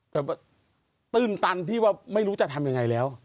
แต่ตื้นตันที่ว่าไม่รู้จะทำยังไงแล้ว